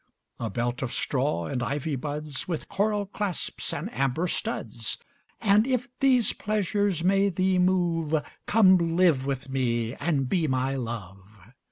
A belt of straw and ivy buds With coral clasps and amber studs: And if these pleasures may thee move, Come live with me and be my Love.